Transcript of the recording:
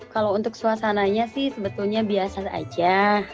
kalau untuk suasananya sih sebetulnya biasa saja